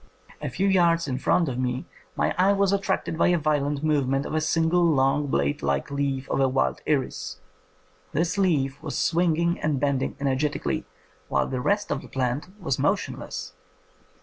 A tew yards in front of me my eye was attracted by the violent movements of a single long blade like leaf of a wild iris. This leaf was swinging and bending energetically, while the rest of the plant was motionless.